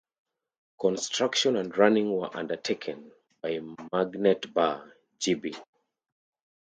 Construction and running were undertaken by Magnetbahn GmbH.